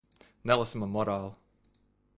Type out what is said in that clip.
Nelasi man morāli.